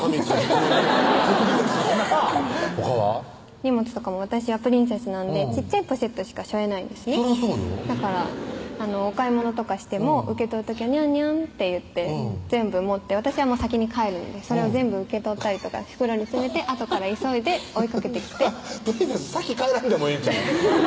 荷物とかも私はプリンセスなんで小っちゃいポシェットしかしょえないんですねそらそうよだからお買い物とかしても受け取る時は「にゃんにゃん」って言って全部持って私は先に帰るんでそれを全部受け取ったりとか袋に詰めてあとから急いで追いかけてきてプリンセス先帰らんでもええんちゃう？